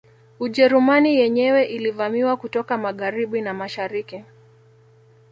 Ujerumani yenyewe ilivamiwa kutoka Magharibi na mashariki